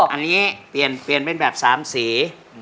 อันนี้เปลี่ยนเป็นแบบ๓สี